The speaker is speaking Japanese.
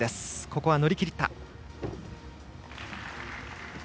ここは乗り切った。